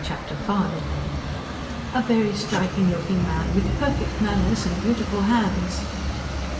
Chapter V "A very striking looking man! With perfect manners and beautiful hands."